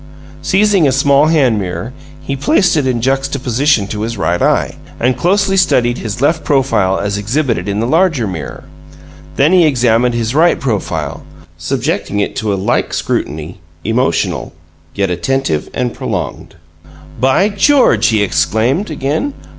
Seizing a small hand mirror, he placed it in juxtaposition to his right eye, and closely studied his left profile as exhibited in the larger mirror. Then he examined his right profile, subjecting it to a like scrutiny emotional, yet attentive and prolonged. "By George!" he exclaimed, again.